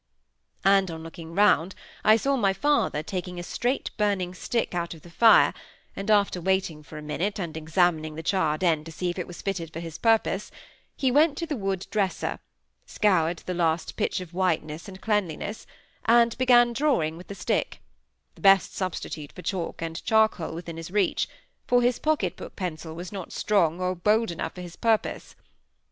And on looking round, I saw my father taking a straight burning stick out of the fire, and, after waiting for a minute, and examining the charred end to see if it was fitted for his purpose, he went to the hard wood dresser, scoured to the last pitch of whiteness and cleanliness, and began drawing with the stick; the best substitute for chalk or charcoal within his reach, for his pocket book pencil was not strong or bold enough for his purpose.